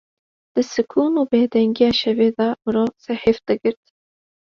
Di sikûn û bêdengiya şevê de mirov sehiw digirt.